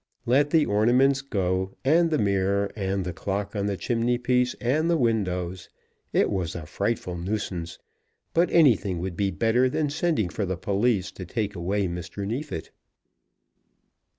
Let the ornaments go, and the mirror, and the clock on the chimney piece, and the windows. It was a frightful nuisance, but anything would be better than sending for the police to take away Mr. Neefit.